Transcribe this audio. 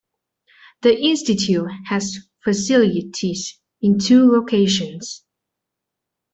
The institute has facilities in two locations.